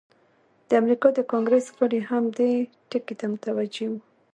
د امریکا د کانګریس غړي هم دې ټکي ته متوجه وو.